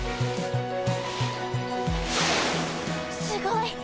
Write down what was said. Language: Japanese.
すごい！